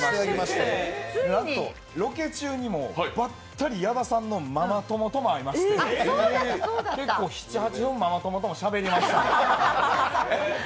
ばったり、矢田さんのママ友ともお会いしまして結構７８分、ママ友ともしゃべりました。